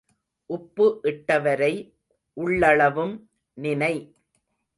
உப்பு இட்டவரை உள்ளளவும் நினை.